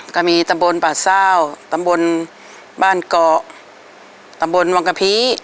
ก็มีตำบลป่าเศร้าตำบลบ้านเกาะตำบลวังกะพี